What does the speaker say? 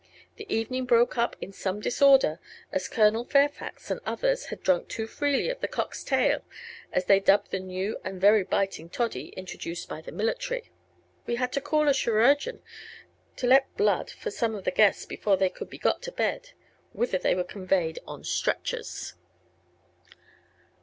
The evening broke up in some Disorder as Col Fairfax and others hadd Drunk too freely of the Cock's Taile as they dub the new and very biting Toddy introduced by the military. Wee hadd to call a chirurgeon to lett Blood for some of the Guests before they coulde be gott to Bedd, whither they were conveyed on stretchers.